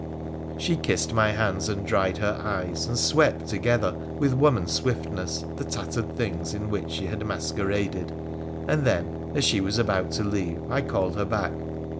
She kissed my hands and dried her eyes, and swept to gether, with woman swiftness, the tattered things in which she had masqueraded, and then, as she was about to leave, I called her back.